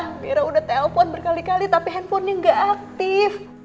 ya mira udah telpon berkali kali tapi handphonenya gak aktif